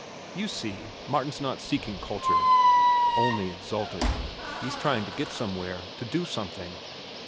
"You see, Martin's not seeking culture," Olney exulted. "He's trying to get somewhere, to do something."